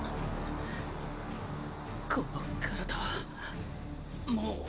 この体はもう。